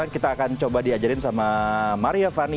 aku akan lebih banyak lagi dalam video ini